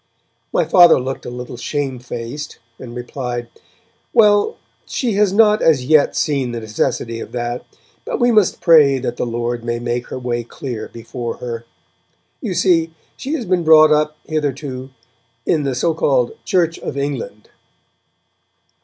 My Father looked a little shame faced, and replied: 'Well, she has not as yet seen the necessity of that, but we must pray that the Lord may make her way clear before her. You see, she has been brought up, hitherto, in the so called Church of England.'